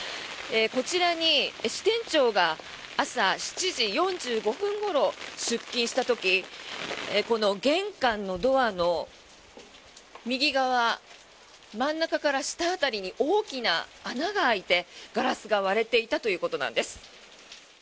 こちらに支店長が朝７時４５分ごろ出勤した時この玄関のドアの右側真ん中から下辺りに大きな穴が開いてガラスが割れていたということなんです。